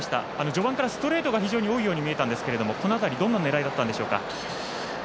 序盤からストレートが非常に多いように見えたんですがどんな狙いだったんでしょうか。